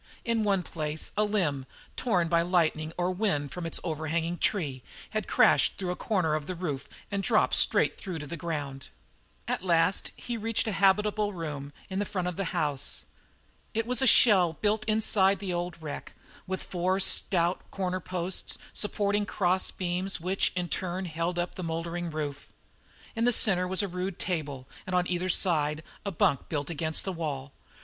In one place a limb, torn by lightning or wind from its overhanging tree, had crashed through the corner of the roof and dropped straight through to the ground. At last he reached a habitable room in the front of the house. It was a new shell built inside the old wreck, with four stout corner posts supporting cross beams, which in turn held up the mouldering roof. In the centre was a rude table and on either side a bunk built against the wall.